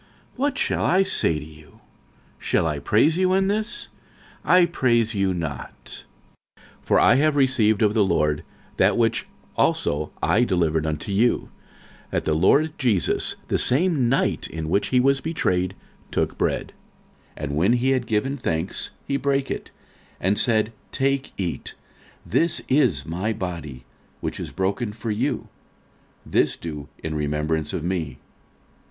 What shall I say to you? shall I praise you in this? I praise you not. 46:011:023 For I have received of the Lord that which also I delivered unto you, That the Lord Jesus the same night in which he was betrayed took bread: 46:011:024 And when he had given thanks, he brake it, and said, Take, eat: this is my body, which is broken for you: this do in remembrance of me.